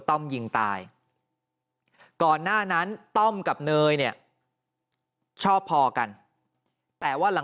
ต้อมยิงตายก่อนหน้านั้นต้อมกับเนยเนี่ยชอบพอกันแต่ว่าหลัง